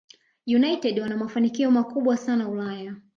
united wana mafanikio makubwa sana Ulaya